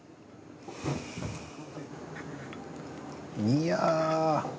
いや。